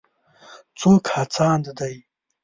څوک هڅاند دی.